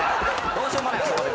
どうしようもない男。